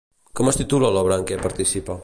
Com es titula l'obra en què participa?